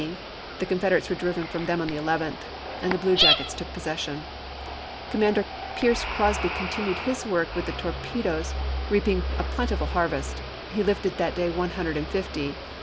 IX.— 16 242 ABKAHAM LINCOLN chap. x. ing, the Confederates were driven from them on Apr., 1865. the 11th and the blue jackets took possession. Commander Pierce Crosby continued his work with the torpedoes, reaping a plentiful harvest : he lifted that day one hundred and fifty.